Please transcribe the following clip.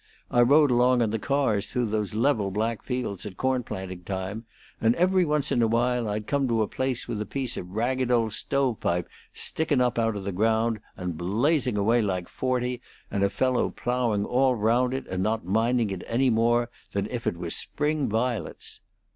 I rode along on the cars through those level black fields at corn planting time, and every once in a while I'd come to a place with a piece of ragged old stove pipe stickin' up out of the ground, and blazing away like forty, and a fellow ploughing all round it and not minding it any more than if it was spring violets.